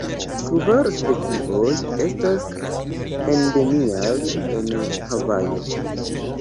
Kvar specioj, estas endemiaj en Havajo.